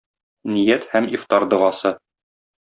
Ният һәм ифтар догасы.